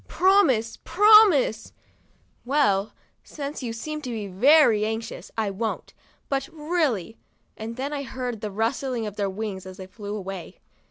Promise, promise !' 'Well, since you seem so very anxious, I won't; but really —" and then I heard the rustling of their wings as they flew away.